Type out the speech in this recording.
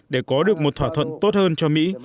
để có được một thỏa thuận tốt hơn cho mỹ